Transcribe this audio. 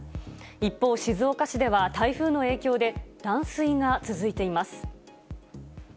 一方、静岡市では、台風の影響で、断水が続いています。